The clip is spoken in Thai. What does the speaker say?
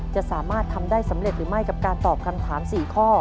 จะสามารถทำได้สำเร็จหรือไม่กับการตอบคำถาม๔ข้อ